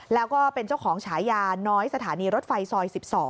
แล้วก็เป็นเจ้าของฉายาน้อยสถานีรถไฟซอย๑๒